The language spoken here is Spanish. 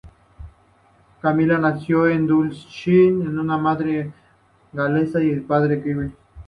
Camilla Nació en Dulwich de una madre galesa y padre de Kiwi.